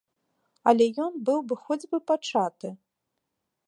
Але ён быў бы хоць бы пачаты!